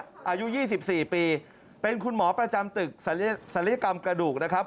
อายุ๒๔ปีเป็นคุณหมอประจำตึกศัลยกรรมกระดูกนะครับ